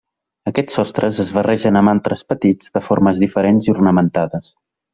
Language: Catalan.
Aquests sostres es barregen amb altres petits de formes diferents i ornamentades.